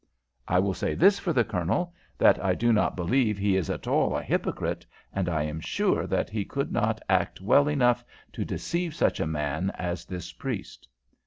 I will say this for the Colonel, that I do not believe he is at all a hypocrite, and I am sure that he could not act well enough to deceive such a man as this priest."